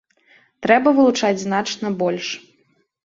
Трэба вылучаць значна больш.